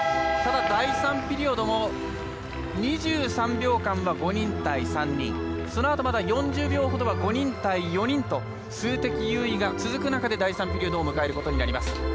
ただ、第３ピリオドも２３秒間は５人対３人そのあとまだ４０秒ほどは５人対４人と数的優位が続く中で第３ピリオドを迎えることになります。